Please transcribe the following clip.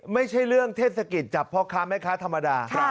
ไม่ใช่เรื่องเทศกิจจับพ่อค้าแม่ค้าธรรมดา